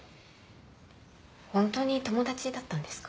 ホントに友達だったんですか？